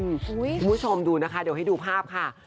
คุณผู้ชมดูนะคะเดี๋ยวให้ดูภาพค่ะ